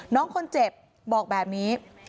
น้องคนเจ็บบอกแบบนี้